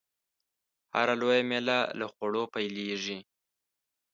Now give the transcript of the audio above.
هره لويه میله له خوړو پیلېږي.